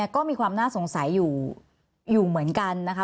ก็มีความน่าสงสัยอยู่เหมือนกันนะคะ